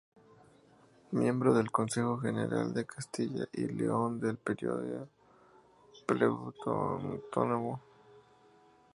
Miembro del Consejo General de Castilla y León en el período preautonómico.